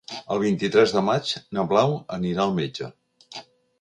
El vint-i-tres de maig na Blau anirà al metge.